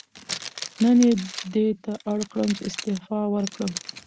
نن یې دې ته اړ کړم چې استعفا ورکړم.